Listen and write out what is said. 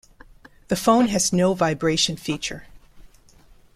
The phone has no vibration feature.